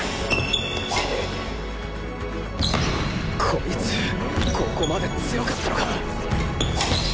こいつここまで強かったのか？